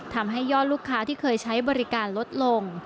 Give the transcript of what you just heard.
ทำให้ยอดลูกค้าที่เคยใช้บริการลดลง